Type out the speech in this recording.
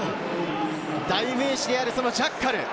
代名詞であるジャッカル。